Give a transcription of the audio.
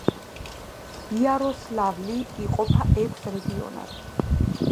იაროსლავლი იყოფა ექვს რეგიონად.